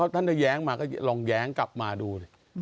ถ้าท่านจะแย้งมาก็ลองแย้งกลับมาดู